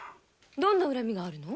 どんな恨みがあるの？